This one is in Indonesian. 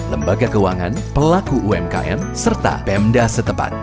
lembaga keuangan pelaku umkm serta pemda setempat